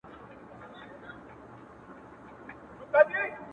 د ميني درد کي هم خوشحاله يې ـ پرېشانه نه يې ـ